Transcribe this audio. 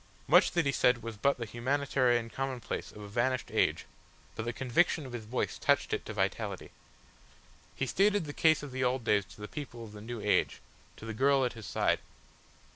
Much that he said was but the humanitarian commonplace of a vanished age, but the conviction of his voice touched it to vitality. He stated the case of the old days to the people of the new age, to the girl at his side.